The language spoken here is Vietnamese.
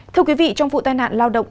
thưa quý vị trong vụ tai nạn lao động